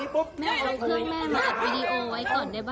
พวกมันมาเข้าช่องนี้ปุ๊บ